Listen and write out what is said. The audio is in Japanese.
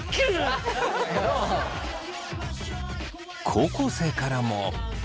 高校生からも。